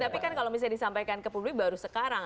tapi kalau bisa disampaikan ke publik baru sekarang